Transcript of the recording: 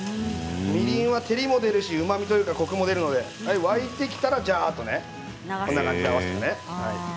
みりんは照りも出るし、うまみというかコクも出るので沸いてきたらこんな感じで合わせてね。